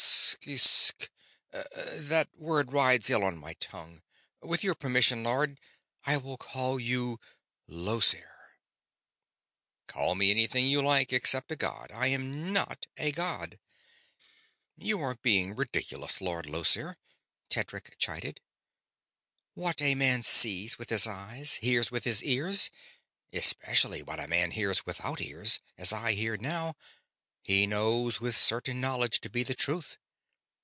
"S ... Sek ... That word rides ill on the tongue. With your permission, Lord, I will call you Llosir." "Call me anything you like, except a god. I am not a god." "You are being ridiculous, Lord Llosir," Tedric chided. "What a man sees with his eyes, hears with his ears especially what a man hears without ears, as I hear now he knows with certain knowledge to be the truth.